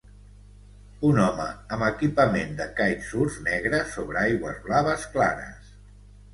Un home amb equipament de kitesurf negre sobre aigües blaves clares.